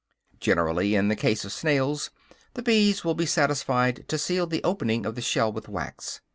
Generally, in the case of snails, the bees will be satisfied to seal the opening of the shell with wax.